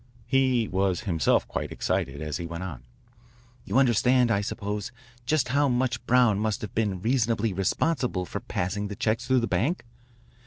He was himself quite excited, as he went on, "You understand, I suppose, just how much Brown must have been reasonably responsible for passing the checks through the bank?